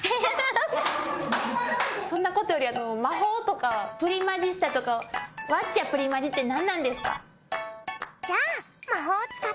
そんなことより魔法とかプリマジスタとか『ワッチャプリマジ！』ってなんなんですか？